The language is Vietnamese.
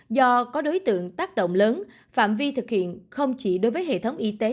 do có đối tượng tác động lớn phạm vi thực hiện không chỉ đối với hệ thống y tế